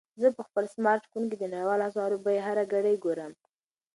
زه په خپل سمارټ فون کې د نړیوالو اسعارو بیې هره ګړۍ ګورم.